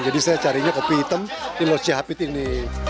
jadi saya carinya kopi hitam di los cihapit ini